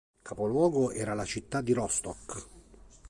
Capoluogo era la città di Rostock.